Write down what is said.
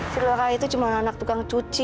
si laura itu cuma anak tukang cuci